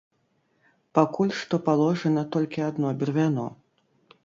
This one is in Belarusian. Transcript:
Пакуль што паложана толькі адно бервяно.